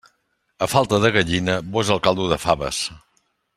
A falta de gallina, bo és el caldo de faves.